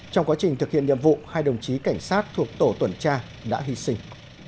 trong quá trình thực hiện nhiệm vụ hai đồng chí cảnh sát thuộc tổ tuần tra đã hy sinh